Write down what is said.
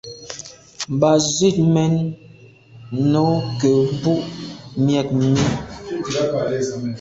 Mba zit mèn no nke mbù’ miag mi.